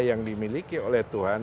yang dimiliki oleh tuhan